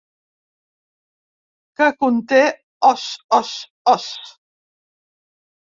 Que conté Os, Os, Os.